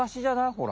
ほら。